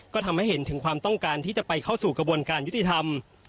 ก็ทำให้เห็นถึงความต้องการที่จะไปเข้าสู่กระบวนการยุติธรรม